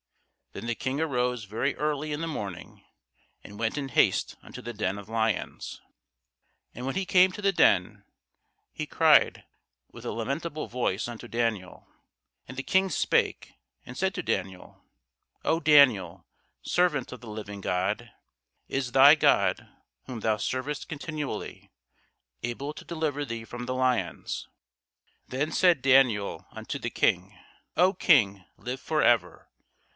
Then the King arose very early in the morning, and went in haste unto the den of lions. And when he came to the den, he cried with a lamentable voice unto Daniel: and the King spake and said to Daniel, O Daniel, servant of the living God, is thy God, whom thou servest continually, able to deliver thee from the lions? Then said Daniel unto the King, O King, live for ever.